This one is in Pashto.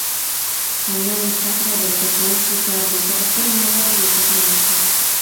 انلاين زده کړه به زده کوونکو ته د سبقونو موادو بیاکتنه ورکړي.